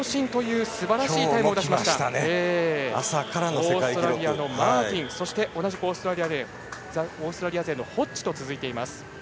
オーストラリアのマーティンそして同じくオーストラリア勢のホッジと続いています。